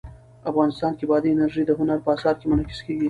افغانستان کې بادي انرژي د هنر په اثار کې منعکس کېږي.